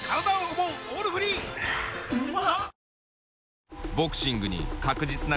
うまっ！